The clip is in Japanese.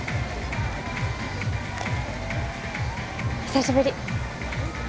久しぶり！